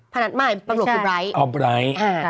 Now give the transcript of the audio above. ไม่ตำรวจคือไรท์